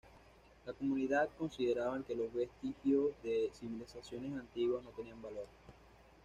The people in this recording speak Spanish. La comunidad consideraban que los vestigios de civilizaciones antiguas no tenían valor.